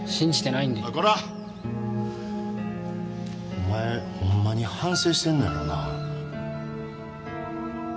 お前ほんまに反省してんのやろな？